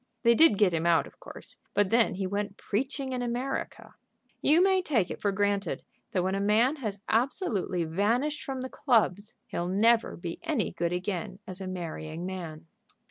They did get him out, of course, but then he went preaching in America. You may take it for granted, that when a man has absolutely vanished from the clubs, he'll never be any good again as a marrying man."